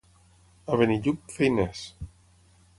A Benillup, feiners.